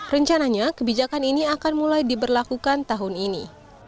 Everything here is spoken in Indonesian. rencananya kebijakan ini akan mulai diberlakukan tahun ini